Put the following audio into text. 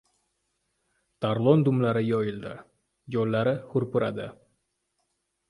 Tarlon dumlari yoyildi, yollari hurpaydi.